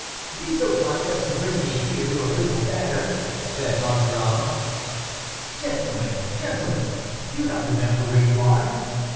"Be so kind as to bring me here your little dagger," said Maugiron. "Gentlemen, gentlemen, do you not remember where you are?"